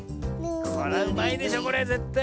これはうまいでしょこれぜったい。